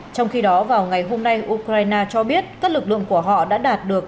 trong khi đó vào ngày hôm nay ukraine cho biết các lực lượng của họ đã đạt được